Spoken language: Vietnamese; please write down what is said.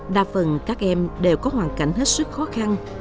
đa phần các em đều có hoàn cảnh hết sức khó khăn